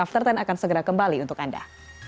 after sepuluh akan segera kembali untuk anda